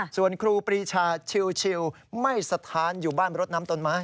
ส่วนครูปรีชาชิวไม่สถานอยู่บ้านรถน้ำต้นไม้